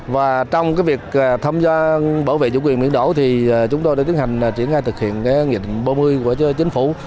và trong việc tham gia bảo vệ chủ quyền biển đảo thì chúng tôi đã tiến hành triển khai thực hiện nghị định bốn mươi của chính phủ